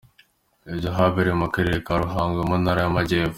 Ibi byabereye mu karere ka Ruhango mu Ntara y’Amajyepfo.